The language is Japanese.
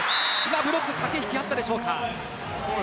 ブロック駆け引きあったでしょうか。